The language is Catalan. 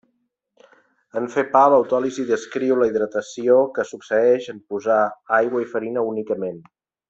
En fer pa l'autòlisi descriu la hidratació que succeeix en posar aigua i farina únicament.